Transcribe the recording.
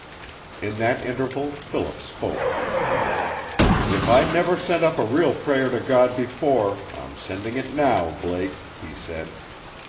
In that interval Philip spoke. "If I never sent up a real prayer to God before I'm sending it now, Blake," he said.